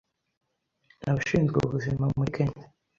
Abashinzwe ubuzima muri Kenya